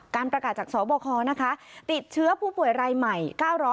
การประกาศจากสบคนะคะติดเชื้อผู้ป่วยรายใหม่